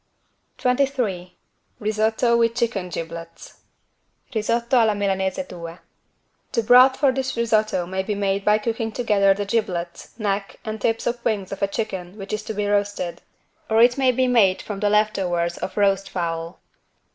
23 RISOTTO WITH CHICKEN GIBLETS (Risotto alla Milanese II) The broth for this risotto may be made by cooking together the giblets, neck and tips of wings of a chicken which is to be roasted, or it may be made from the left overs of roast fowl.